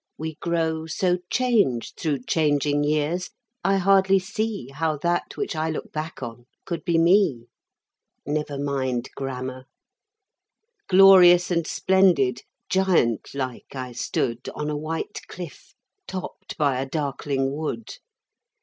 We grow So changed through changing years, I hardly see How that which I look back on could be me? Glorious and splendid, giant like I stood On a white cliff, topped by a darkling wood.